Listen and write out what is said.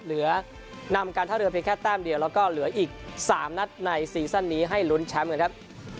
เหลือนำการท่าเรือเพียงแค่แต้มเดียวแล้วก็เหลืออีก๓นัดในซีซั่นนี้ให้ลุ้นแชมป์กันครับ